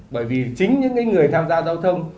bởi vì chính những người tham gia giao thông